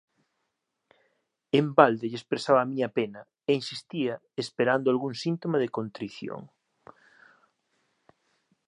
En balde lle expresaba a miña pena e insistía esperando algún síntoma de contrición.